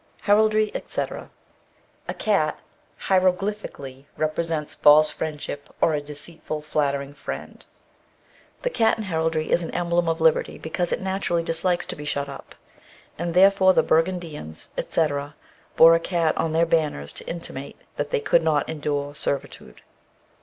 HERALDRY, ETC. A cat (hieroglyphically) represents false friendship, or a deceitful, flattering friend. The cat (in heraldry) is an emblem of liberty, because it naturally dislikes to be shut up, and therefore the Burgundians, etc., bore a cat on their banners to intimate they could not endure servitude.